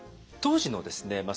当時のですね